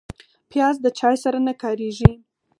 پیاز د چای سره نه کارېږي